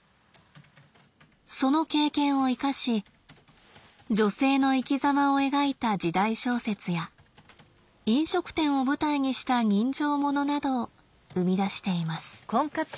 その経験を生かし女性の生きざまを描いた時代小説や飲食店を舞台にした人情物などを生み出しています。